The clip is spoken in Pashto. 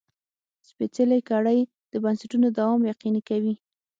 سپېڅلې کړۍ د بنسټونو دوام یقیني کوي.